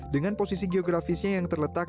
dengan posisi geografisnya yang terletak